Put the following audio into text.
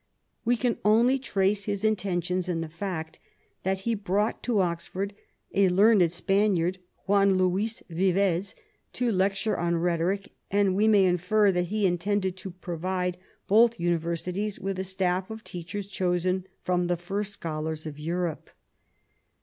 We can only trace his intentions in the fact that he brought to Oxford a learned Spaniard, Juan Luis Vivos, to lecture on rhetoric, and we may infer that he intended to provide both universities with a staff of teachers chosen from the first scholars of Europe.